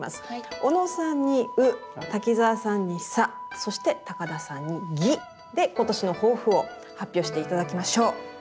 小野さんに「う」滝沢さんに「さ」そして高田さんに「ぎ」で今年の抱負を発表して頂きましょう。